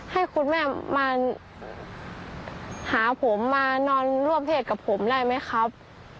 ให้คุณแม่มาหาผมมานอนร่วมเพศกับผมได้ไหมครับ